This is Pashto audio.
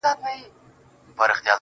هغې کافري په ژړا کي راته وېل ه.